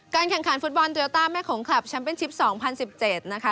การแข่งขันฟุตบอลตูยาตาแม่ของคลับแชมเป็นชิปสองพันสิบเจ็ดนะครับ